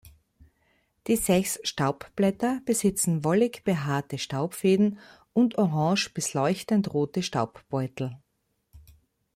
Die sechs Staubblätter besitzen wollig behaarte Staubfäden und orange bis leuchtend rote Staubbeutel.